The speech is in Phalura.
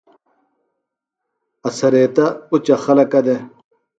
اڅھریتہ اُچہ خلَکہ دےۡ